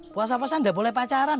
puasa puasa nggak boleh pacaran